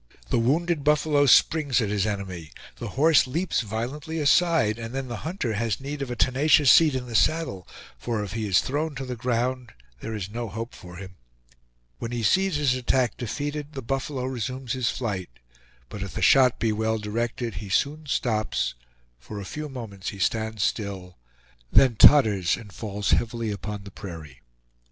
The wounded buffalo springs at his enemy; the horse leaps violently aside; and then the hunter has need of a tenacious seat in the saddle, for if he is thrown to the ground there is no hope for him. When he sees his attack defeated the buffalo resumes his flight, but if the shot be well directed he soon stops; for a few moments he stands still, then totters and falls heavily upon the prairie.